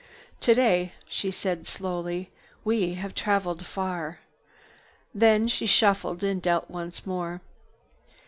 "Today," she said slowly, "we have traveled far." Then she shuffled and dealt once more.